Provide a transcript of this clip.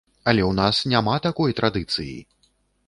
Але ў нас няма такой традыцыі.